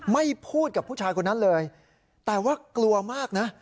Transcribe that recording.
ไม่พูดกับผู้ชายคนนั้นเลยแต่ว่ากลัวมากนะ